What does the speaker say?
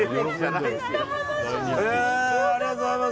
ありがとうございます。